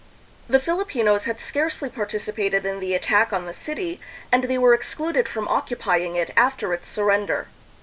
The Filipinos had scarcely participated in the attack on the city, and they were excluded from occupying it after its surrender.